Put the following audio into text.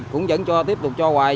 cũng vẫn tiếp tục cho hoài